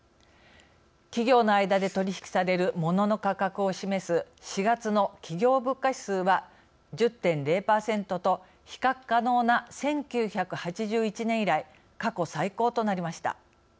企業の間で取り引きされるモノの価格を示す４月の企業物価指数は１０．０％と比較可能な１９８１年以来過去最高となりました。